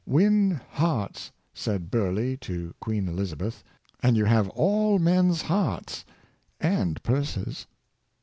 " Win hearts," said Bur leigh to Queen Elizabeth, " and you have all men's hearts and purses."